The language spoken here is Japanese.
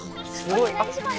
お願いします！